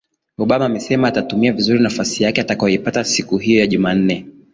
obama amesema atatumia vizuri nafasi yake atakayoipata siku hiyo ya jumanne